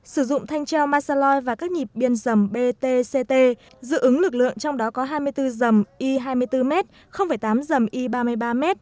sử dụng thanh treo masali và các nhịp biên dầm btct dự ứng lực lượng trong đó có hai mươi bốn dầm i hai mươi bốn m tám dầm i ba mươi ba m